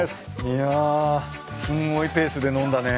いやすごいペースで飲んだね。